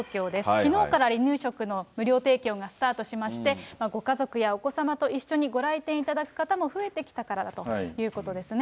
きのうから離乳食の無料提供がスタートしまして、ご家族やお子様と一緒にご来店いただく方も増えてきたからだということですね。